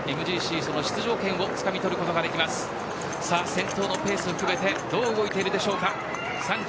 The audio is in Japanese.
先頭のペースを含めてどう動いているでしょうか。